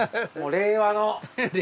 令和の侍。